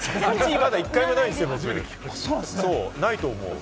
まだ１回もないんですよ、ないと思う。